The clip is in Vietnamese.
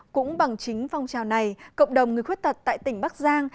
cũng bằng chính phong trào này cộng đồng người khuyết tật tại tỉnh bắc giang